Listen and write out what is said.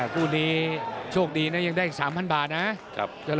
คู่นี้โชคดีนะยังได้อีก๓๐๐บาทนะ